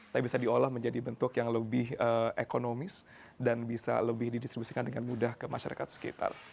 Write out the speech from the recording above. tapi bisa diolah menjadi bentuk yang lebih ekonomis dan bisa lebih didistribusikan dengan mudah ke masyarakat sekitar